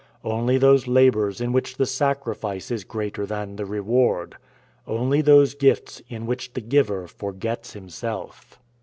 Only those labors in which the sacrifice is greater than the reward. Only those gifts in which the giver forgets himself."